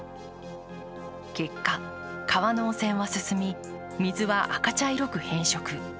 結果、川の汚染は進み、水は赤茶色く変色。